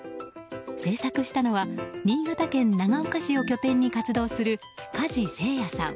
制作したのは新潟県長岡市を拠点に活動する加治聖哉さん。